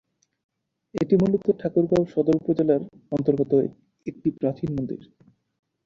এটি মূলত ঠাকুরগাঁও সদর উপজেলার অন্তর্গত একটি প্রাচীন মন্দির।